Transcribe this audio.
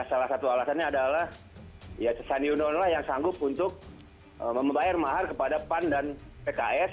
salah satu alasannya adalah ya sandi uno yang sanggup untuk membayar mahar kepada pan dan pks